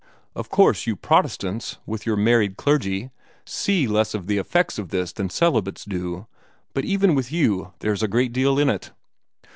Of course you Protestants, with your married clergy, see less of the effects of this than celibates do, but even with you there is a great deal in it.